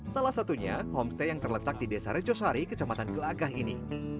salah satunya homestay yang terletak di desa rejosari kecamatan gelagah ini